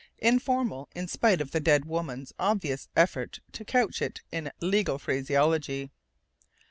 Informal, in spite of the dead woman's obvious effort to couch it in legal phraseology....